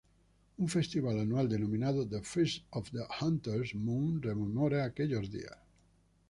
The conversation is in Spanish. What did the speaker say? Un festival anual, denominado "The Feast of the Hunters' Moon" rememora aquellos días.